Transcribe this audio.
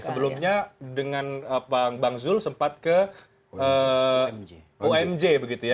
sebelumnya dengan bang zul sempat ke umj begitu ya